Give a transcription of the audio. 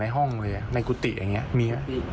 ในห้องเลยอ่ะในกุฏิอย่างเงี้ยมีอ่ะ